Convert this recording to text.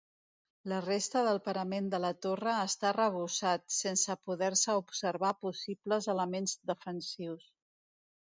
La resta del parament de la torre està arrebossat, sense poder-se observar possibles elements defensius.